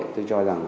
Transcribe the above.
tôi cho rằng